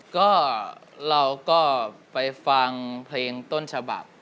ก็เราก็ไปฟังเพลงต้นฉบับ